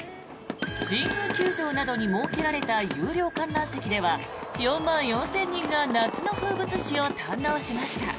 神宮球場などに設けられた有料観覧席では４万４０００人が夏の風物詩を堪能しました。